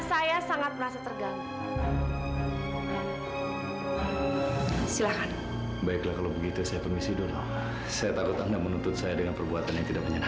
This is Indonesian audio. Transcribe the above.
sampai jumpa di video selanjutnya